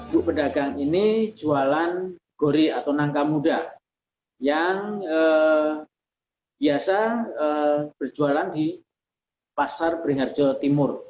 bu pedagang ini jualan gori atau nangka muda yang biasa berjualan di pasar beringharjo timur